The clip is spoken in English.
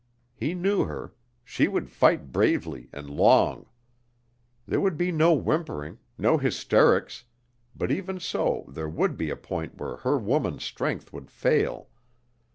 He knew her; she would fight bravely and long. There would be no whimpering, no hysterics, but even so there would be a point where her woman's strength would fail.